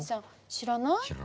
知らない。